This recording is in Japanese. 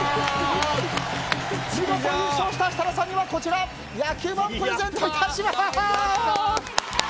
見事優勝した設楽さんには野球盤、プレゼントいたします！